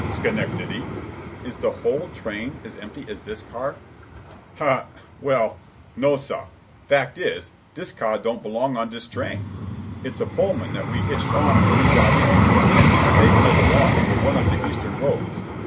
Porter: "Schenectady." Mr. Richards: "Is the whole train as empty as this car?" Porter, laughing: "Well, no, sah. Fact is, dis cah don't belong on dis train. It's a Pullman that we hitched on when you got in, and we's taking it along for one of de Eastern roads.